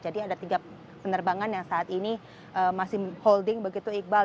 jadi ada tiga penerbangan yang saat ini masih holding begitu iqbal